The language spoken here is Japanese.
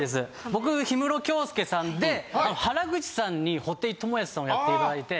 僕氷室京介さんで原口さんに布袋寅泰さんをやっていただいて。